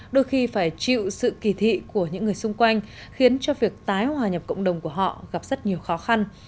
đôi khi phải chịu sự kỳ thị của những người xung quanh khiến cho việc tái hòa nhập cộng đồng của họ gặp rất nhiều khó khăn